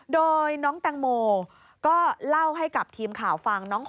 โดยน้องแตงโมก็เล่าให้กับทีมข่าวฟัง